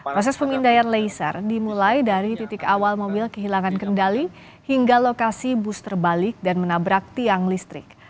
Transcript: proses pemindaian laisar dimulai dari titik awal mobil kehilangan kendali hingga lokasi bus terbalik dan menabrak tiang listrik